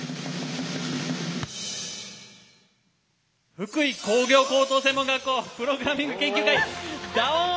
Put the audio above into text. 福井工業高等専門学校プログラミング研究会「Ｄ−ＯＮ」。